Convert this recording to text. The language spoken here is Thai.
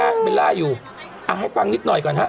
ฟังข่าวเบนร่าอยู่อ่ะให้ฟังนิดหน่อยก่อนฮะ